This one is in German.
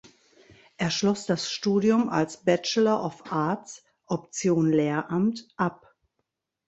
Er schloss das Studium als Bachelor of Arts (Option Lehramt) ab.